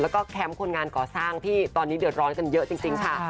แล้วก็แคมป์คนงานก่อสร้างที่ตอนนี้เดือดร้อนกันเยอะจริงค่ะ